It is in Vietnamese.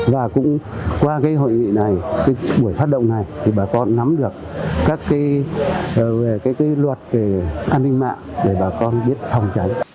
và cũng qua hội nghị này buổi phát động này thì bà con nắm được các luật an ninh mạng để bà con biết phòng chống